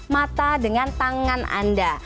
mata dengan tangan anda